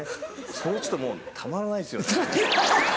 それがちょっともうたまらないですよね。